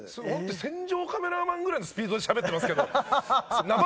戦場カメラマンぐらいのスピードでしゃべってますけど。